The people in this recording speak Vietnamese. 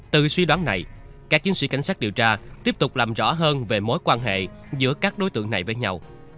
từ suy đoán này các chiến sĩ cảnh sát điều tra tiếp tục làm rõ hơn về mối quan hệ giữa các đối tượng này với nhau